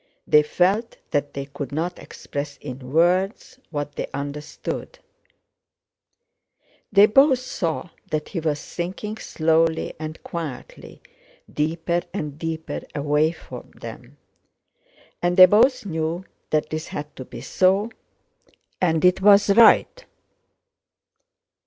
They felt that they could not express in words what they understood. They both saw that he was sinking slowly and quietly, deeper and deeper, away from them, and they both knew that this had to be so and that it was right.